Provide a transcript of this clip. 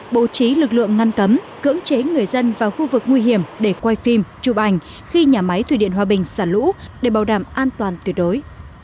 bố trí lực lượng ngăn cấm cưỡng chế người dân vào khu vực nguy hiểm để quay phim chụp ảnh khi nhà máy thủy điện hòa bình xả lũ để bảo đảm an toàn tuyệt đối